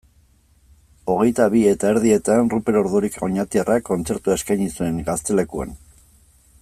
Hogeita bi eta erdietan Ruper Ordorika oñatiarrak kontzertua eskaini zuen Gaztelekuan.